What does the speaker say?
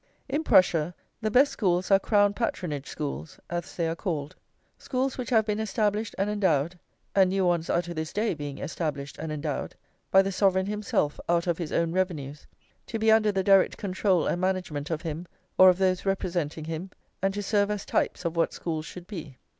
In Prussia, the best schools are Crown patronage schools, as they are called; schools which have been established and endowed (and new ones are to this day being established and endowed) by the Sovereign himself out of his own revenues, to be under the direct control and management of him or of those representing him, and to serve as types of what schools should be.